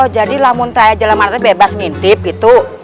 jadi saya jalan merata bebas ngintip gitu